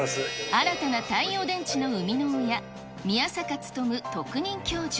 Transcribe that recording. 新たな太陽電池の生みの親、宮坂力特任教授。